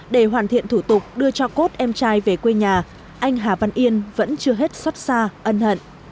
để hoàn thiện thủ tục đưa cho cốt em trai về quê nhà anh hà văn yên vẫn chưa hết xót xa ân hận